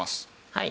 はい。